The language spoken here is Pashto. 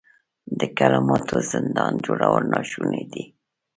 د کلماتو زندان جوړول ناشوني دي.